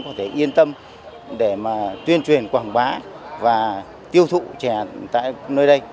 có thể yên tâm để mà tuyên truyền quảng bá và tiêu thụ chè tại nơi đây